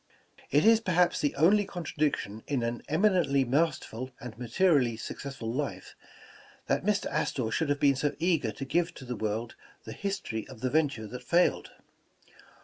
'' It is perhaps the only contradiction in an eminently masterful and materially successful life, that Mr. Astor should have been so eager to give to the world the his tory of the venture that failed.